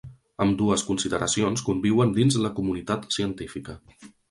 Ambdues consideracions conviuen dins la comunitat científica.